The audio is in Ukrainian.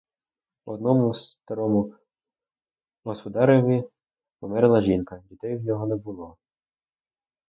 Одному старому господареві померла жінка, дітей у нього не було.